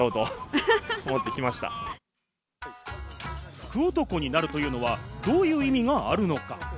福男になるというのは、どういう意味があるのか？